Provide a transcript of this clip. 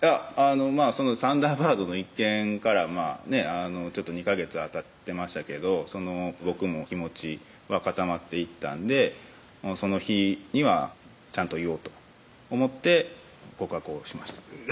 サンダーバードの一件から２ヵ月はたってましたけど僕も気持ちは固まっていったんでその日にはちゃんと言おうと思って告白をしました